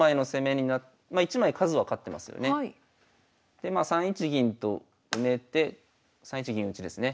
でまあ３一銀と埋めて３一銀打ですね。